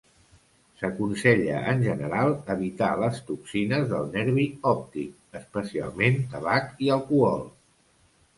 S'aconsella en general evitar les toxines del nervi òptic, especialment tabac i alcohol.